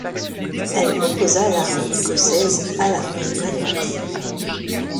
Elle opposa l’armée écossaise à l’armée mannoise.